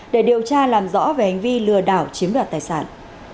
để điều tra làm rõ về hành vi lừa đảo chiếm đoạt tài sản